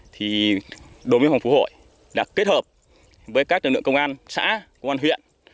thì đối với hồng phủ hội đã kết hợp với các lực lượng công an xã quân huyện